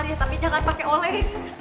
kamar ya tapi jangan pakai oleng